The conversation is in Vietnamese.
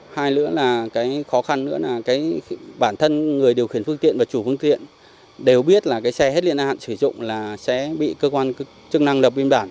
hai nữa là cái khó khăn nữa là cái bản thân người điều khiển phương tiện và chủ phương tiện đều biết là cái xe hết niên hạn sử dụng là sẽ bị cơ quan chức năng lập biên bản